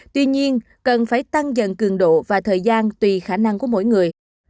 tuy nhiên cần phải tăng dần cường độ và thời gian tùy khả năng của mỗi người